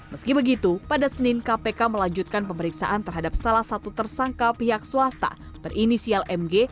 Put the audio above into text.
meski begitu pada senin kpk melanjutkan pemeriksaan terhadap salah satu tersangka pihak swasta berinisial mg